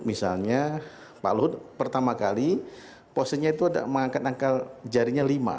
misalnya pak luhut pertama kali posenya itu ada mengangkat angkal jarinya lima